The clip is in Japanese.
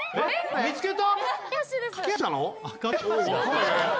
見つけた？